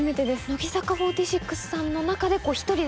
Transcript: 乃木坂４６さんの中で。